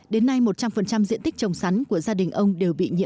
đến nay một trăm linh diện tích trồng sắn